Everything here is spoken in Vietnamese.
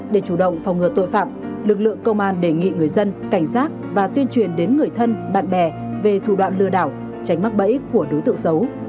để chủ động phòng ngừa tội phạm lực lượng công an đề nghị người dân cảnh giác và tuyên truyền đến người thân bạn bè về thủ đoạn lừa đảo tránh mắc bẫy của đối tượng xấu